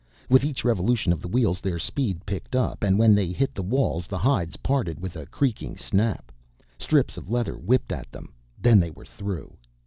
With each revolution of the wheels their speed picked up and when they hit the walls the hides parted with a creaking snap. Strips of leather whipped at them, then they were through.